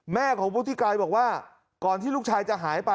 แม่ของพู่ที่ไกลครับ